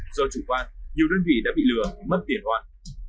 do chủ quan nhiều đơn vị đã bị lừa mất tiền hoàn